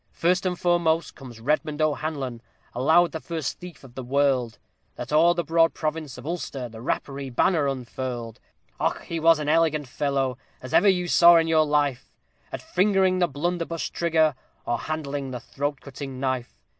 First and foremost comes REDMOND O'HANLON, allowed the first thief of the world, That o'er the broad province of Ulster the Rapparee banner unfurled; Och! he was an elegant fellow, as ever you saw in your life, At fingering the blunderbuss trigger, or handling the throat cutting knife.